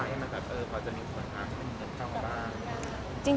ว่ามันจะพอจะมีวิธียังไงบ้าง